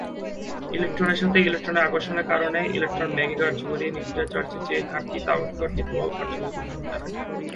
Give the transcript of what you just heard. ইলেকট্রনের সাথে ইলেকট্রনের আকর্ষণের কারণে ইলেকট্রন মেঘে কার্যকরী নিউক্লিয়ার চার্জের যে ঘাটতি তা ব্যাখ্যা করতে এই প্রভাব কার্যকরী ভূমিকা রাখে।